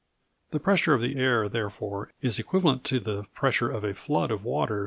The pressure of the air, therefore, is equivalent to the pressure of a flood of water 33 feet deep.